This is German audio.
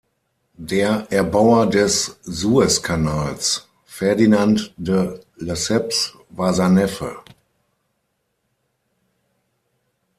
Der Erbauer des Sueskanals, Ferdinand de Lesseps, war sein Neffe.